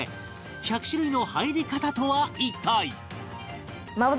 １００種類の入り方とは一体？